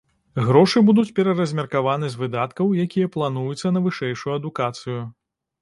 Грошы будуць пераразмеркаваны з выдаткаў, якія плануюцца на вышэйшую адукацыю.